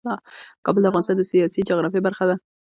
کابل د افغانستان د سیاسي جغرافیه برخه ده.